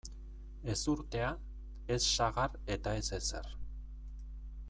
Ezurtea, ez sagar eta ez ezer.